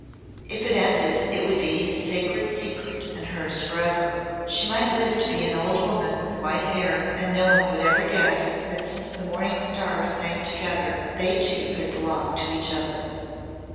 If it ended it would be his sacred secret and hers forever. She might live to be an old woman with white hair and no one would ever guess that since the morning stars sang together they two had belonged to each other.